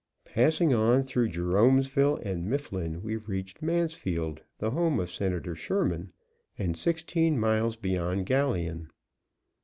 Passing on through Jeromeville and Mifflin, we reached Mansfield, the home of Senator Sherman; and sixteen miles beyond Galion.